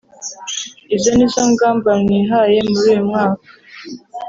izo nizo ngamba nihaye muri uyu mwaka